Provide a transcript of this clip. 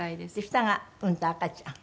下がうんと赤ちゃん？